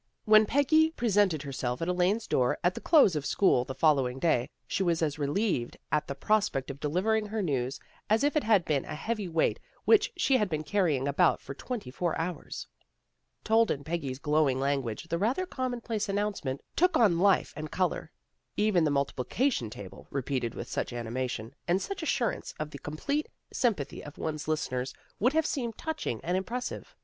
When Peggy presented herself at Elaine's door at the close of school the following day, she was as relieved at the pros pect of delivering her news as if it had been a heavy weight which she had been carrying about for nearly twenty four hours. Told in Peggy's glowing language the rather PEGGY ACTS AS CRITIC 135 commonplace announcement took on life and color. Even the multiplication table, repeated with such animation, and such assurance of the complete sympathy of one's listeners, would have seemed touching and impressive.